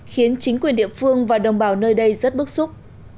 khiến chính quyền địa phương và đồng bào nơi đây rất bức xúc